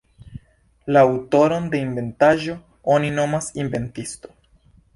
La aŭtoron de inventaĵo oni nomas inventisto.